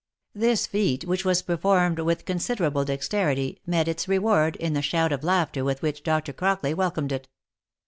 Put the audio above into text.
This feat, which was performed with considerable dexterity, met its reward, in the shout of laughter with which Dr. Crockley welcomed it.